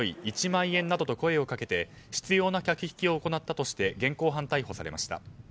１万円」などと声をかけて執拗な客引きを行ったとして現行犯逮捕されました。